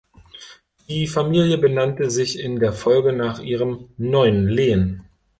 Die Familie benannte sich in der Folge nach ihrem neuen Lehen.